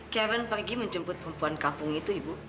kevin pergi menjemput perempuan kampung itu ibu